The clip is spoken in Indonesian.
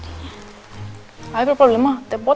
ada masalah aku bisa bantu kamu